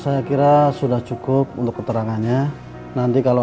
saya sudah banyak dan selalu singkir dan merindu wilayah